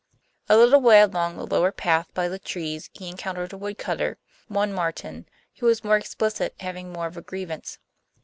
A little way along the lower path by the trees he encountered a woodcutter, one Martin, who was more explicit, having more of a grievance.